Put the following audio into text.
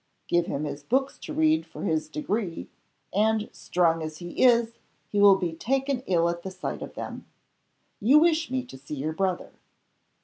Give him his books to read for his degree, and, strong as he is, he will be taken ill at the sight of them. You wish me to see your brother.